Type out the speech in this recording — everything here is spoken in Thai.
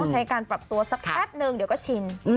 ใช้การปรับตัวสักแป๊บนึงเดี๋ยวก็ชิน